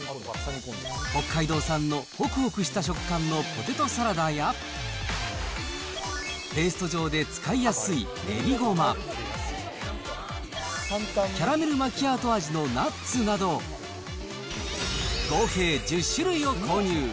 北海道産のほくほくした食感のポテトサラダや、ペースト状で使いやすいねりごま、キャラメルマキアート味のナッツなど、合計１０種類を購入。